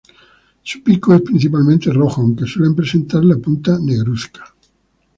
Su pico es principalmente rojo aunque suelen presentar la punta negruzca.